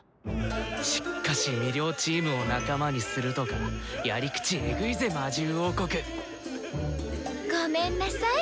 しっかし魅了チームを仲間にするとかやり口エグいぜ魔獣王国！ごめんなさい。